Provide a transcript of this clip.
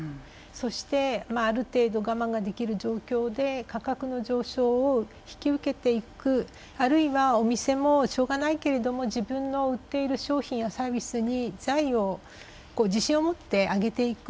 そしてある程度我慢ができる状況で価格の上昇を引き受けていくあるいはお店もしょうがないけれども自分の売っている商品やサービスに財を自信を持ってあげていく。